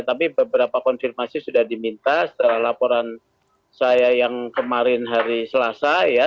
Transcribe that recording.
tapi beberapa konfirmasi sudah diminta setelah laporan saya yang kemarin hari selasa ya